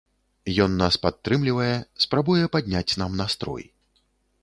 Ён нас падтрымлівае, спрабуе падняць нам настрой.